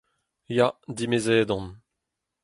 Ya, dimezet on.